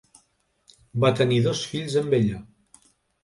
Va tenir dos fills amb ella.